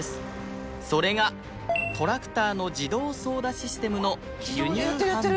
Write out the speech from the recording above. それがトラクターの自動操舵システムの輸入販売